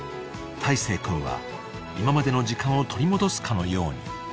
［大生君は今までの時間を取り戻すかのように］